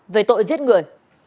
về tội giết người